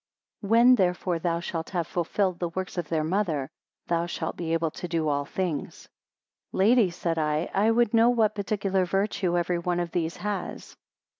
When therefore thou shalt have fulfilled the works of their mother, thou shalt be able to do all things. 88 Lady, said I, I would know what particular virtue every one of these has.